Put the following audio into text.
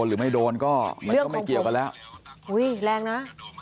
อุ้ยแรงนะ